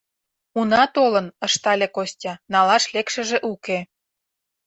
— Уна толын, — ыштале Костя, — налаш лекшыже уке.